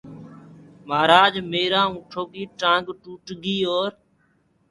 مهآرآج ميرآ اُنٚٺوڪي ٽآنٚگ ٽوٽگي اورَ